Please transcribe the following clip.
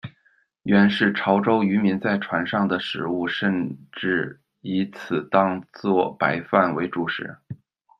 原是潮州渔民在船上的食物，甚至以此当作白饭为主食。